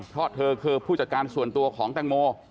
เพราะเธอคือผู้จัดการส่วนตัวของแตงโม